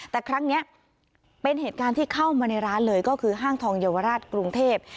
แต่ครั้งนี้เป็นเหตุการณ์ที่เข้ามาในร้านเลยก็คือห้างทองเยาวราชกรุงเทพ